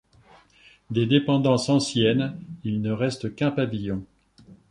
Des dépendances anciennes il ne reste qu'un pavillon.